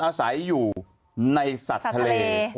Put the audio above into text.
อาหารทะเล